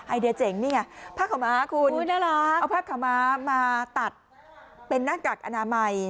ไอเดียเจ๋งนี่ไงผ้าขาวม้าคุณเอาผ้าขาวม้ามาตัดเป็นหน้ากากอนามัย